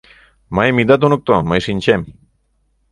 — Мыйым ида туныкто, мый шинчем...